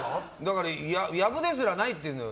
ヤブですらないっていうんだよ